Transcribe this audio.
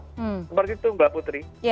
seperti itu mbak putri